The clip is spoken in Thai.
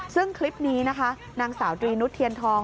ซึ่งคลิปนี้นะคะนางสาวตรีนุษเทียนทอง